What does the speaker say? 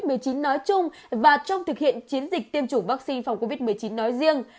covid một mươi chín nói chung và trong thực hiện chiến dịch tiêm chủng vaccine phòng covid một mươi chín nói riêng